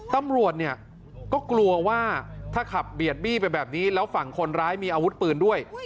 ตำรวจเนี่ยก็กลัวว่าถ้าขับเบียดบี้ไปแบบนี้แล้วฝั่งคนร้ายมีอาวุธปืนด้วย